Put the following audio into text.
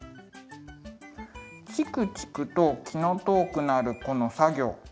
チクチクと気の遠くなるこの作業。